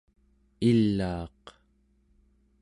ilaaq